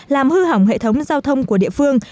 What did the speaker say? làm hư hỏng hệ thống giao thông của địa phương